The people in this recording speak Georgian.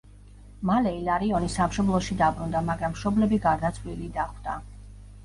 მალე ილარიონი სამშობლოში დაბრუნდა, მაგრამ მშობლები გარდაცვლილი დახვდა.